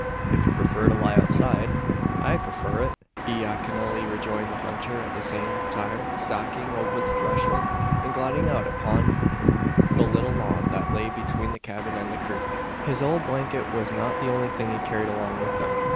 "If you prefer to lie outside " "I prefar it," laconically rejoined the hunter, at the same time stalking over the threshold, and gliding out upon the little lawn that lay between the cabin and the creek. His old blanket was not the only thing he carried along with him.